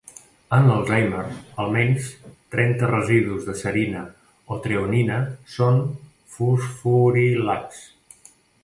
En l'Alzheimer, almenys trenta residus de serina o treonina són fosforilats.